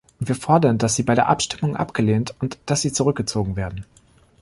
Wir fordern, dass sie bei der Abstimmung abgelehnt und dass sie zurückgezogen werden.